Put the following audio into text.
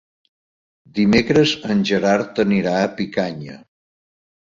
Dimecres en Gerard anirà a Picanya.